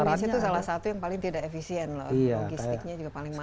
indonesia itu salah satu yang paling tidak efisien loh logistiknya juga paling mahal